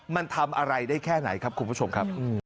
มันทำอะไรได้แค่ไหนครับคุณผู้ชมครับ